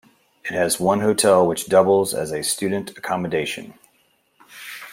It has one hotel which doubles as a student accommodation.